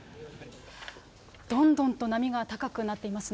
どんどんと波が高くなっていますね。